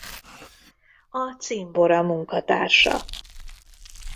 A Cimbora munkatársa.